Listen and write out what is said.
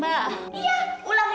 dijamin langsung turun